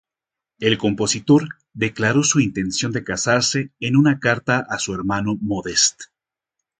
El compositor declaró su intención de casarse en una carta a su hermano Modest.